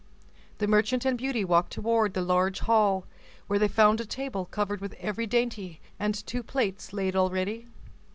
The merchant and Beauty walked toward the large hall, where they found a table covered with every dainty and two plates laid already.